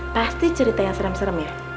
pasti cerita yang serem serem ya